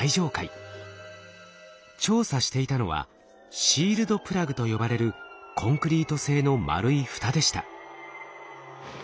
調査していたのはシールドプラグと呼ばれるコンクリート製の円い蓋でした。